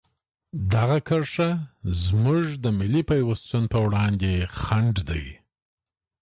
دغه کرښه زموږ د ملي پیوستون په وړاندې خنډ ده.